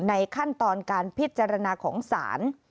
ในขั้นตอนการพิจารณาของศาล